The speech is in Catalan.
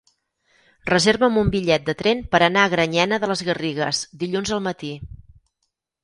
Reserva'm un bitllet de tren per anar a Granyena de les Garrigues dilluns al matí.